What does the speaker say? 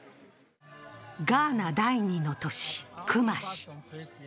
ガーナ第二の都市、クマシ。